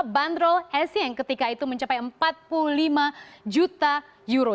bandrol esieng ketika itu mencapai empat puluh lima juta euro